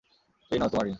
এই নাও তোমার রিং।